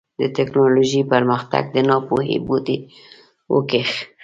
د ټيکنالوژۍ پرمختګ د ناپوهۍ بوټی وکېښ.